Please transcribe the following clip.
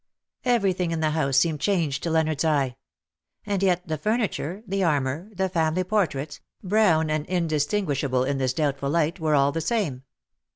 Everything in the house seemed changed to Leonardos eye ; and yet the furniture, the armour, the family portraits^ brown and indistinguishable in this doubtful light, were all the same.